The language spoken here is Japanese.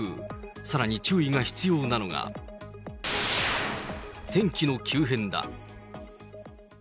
さらに注意が必要なのが天気の急変だ。